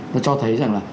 nó cho thấy rằng là